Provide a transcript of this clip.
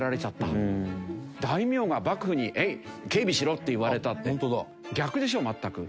大名が幕府に警備しろって言われたって逆でしょ全く。